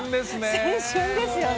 青春ですよね。